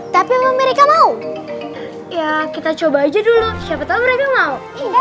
tapi memang mereka mau ya kita coba aja dulu siapa tahu mereka mau